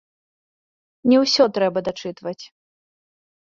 Не ўсё трэба дачытваць.